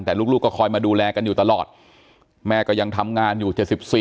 แต่ลูกก็คอยมาดูแลกันอยู่ตลอดแม่ก็ยังทำงานอยู่๗๔